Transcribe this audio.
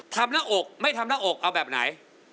หน้าอกไม่ทำหน้าอกเอาแบบไหน